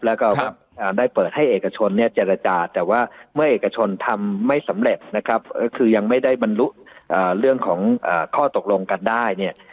แล้วก็ได้เปิดให้เอกชนเนี่ยเจรจาแต่ว่าเมื่อเอกชนทำไม่สำเร็จนะครับก็คือยังไม่ได้บรรลุเรื่องของข้อตกลงกันได้เนี่ย